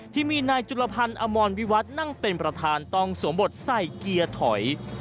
ที่มีนายจุลพันธ์อมรวิวัฒน์นั่งเป็นประธานต้องสวมบทใส่เกียร์ถอย